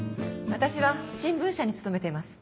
私は新聞社に勤めてます。